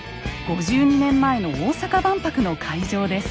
５２年前の大阪万博の会場です。